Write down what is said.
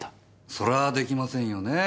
そらあできませんよねえ。